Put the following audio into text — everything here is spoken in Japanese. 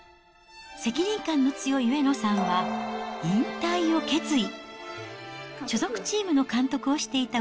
責任感の強い上野さんは、引退を決意。